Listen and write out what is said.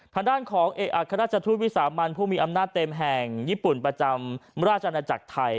ทางด้านของเอกอัครราชทูตวิสามันผู้มีอำนาจเต็มแห่งญี่ปุ่นประจำราชนาจักรไทย